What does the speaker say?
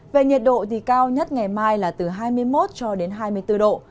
về nhiệt độ thì cao nhất ngày mai là từ hai mươi một cho đến hai mươi bốn độ